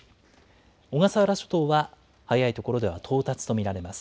小笠原諸島では早い所では到達と見られます。